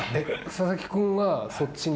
佐々木君がそっちに。